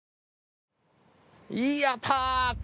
やったー！